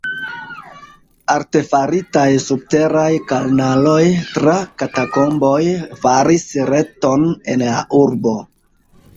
Artefaritaj subteraj kanaloj tra katakomboj faris reton en la urbo.